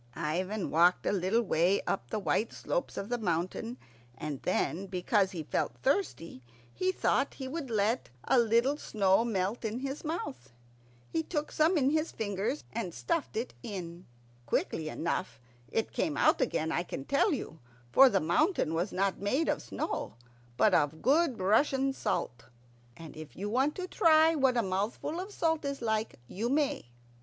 Ivan walked a little way up the white slopes of the mountain, and then, because he felt thirsty, he thought he would let a little snow melt in his mouth. He took some in his fingers and stuffed it in. Quickly enough it came out again, I can tell you, for the mountain was not made of snow but of good Russian salt. And if you want to try what a mouthful of salt is like, you may.